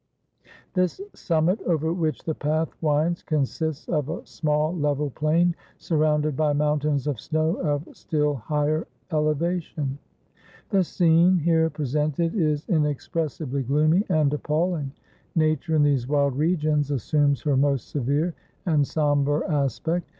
This summit, over which the path winds, consists of a small level plain, surrounded by mountains of snow of still higher ele vation. The scene here presented is inexpressibly gloomy and appalling. Nature in these wild regions assumes her most severe and somber aspect.